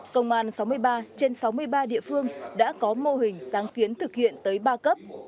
công an sáu mươi ba trên sáu mươi ba địa phương đã có mô hình sáng kiến thực hiện tới ba cấp